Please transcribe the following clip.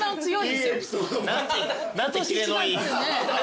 何てキレのいい。